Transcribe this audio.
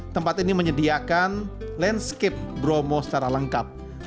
tempat ini menyediakan landscape bromo secara lengkap